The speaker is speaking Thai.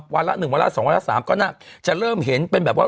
วันละหนึ่งวันละสองวันละสามก็น่าจะเริ่มเห็นเป็นแบบว่า